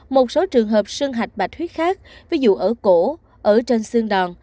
một số trường hợp sưng hạch bạch huyết khác ví dụ ở cổ ở trên sương đòn